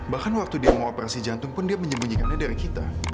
bahkan waktu dia mengoperasi jantung pun dia menyembunyikannya dari kita